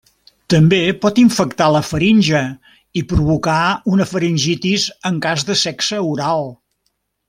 També pot infectar la faringe i provocar una faringitis en cas de sexe oral.